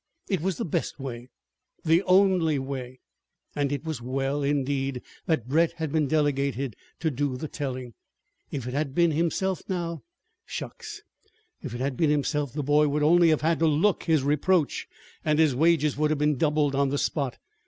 It was the best way; the only way. And it was well, indeed, that Brett had been delegated to do the telling. If it had been himself now ! Shucks! If it had been himself, the boy would only have had to look his reproach and his wages would have been doubled on the spot!